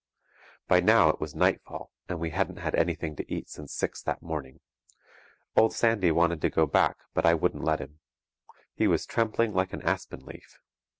By now it was nightfall, and we hadn't had anything to eat since six that morning. Old Sandy wanted to go back, but I wouldn't let him. He was trembling like an aspen leaf.